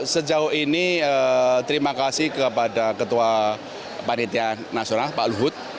sejauh ini terima kasih kepada ketua panitia nasional pak luhut